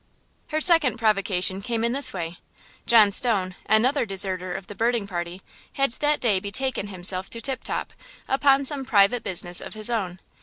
Her second provocation came in this way: John Stone, another deserter of the birding party had that day betaken himself to Top top upon some private business of his own.